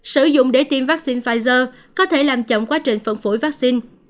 sử dụng để tiêm vaccine pfizer có thể làm chậm quá trình phân phổi vaccine